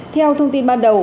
theo thông tin ban đầu